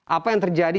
apa yang terjadi